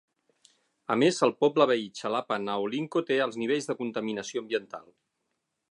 A més, el poble veí Xalapa Naolinco té alts nivells de contaminació ambiental.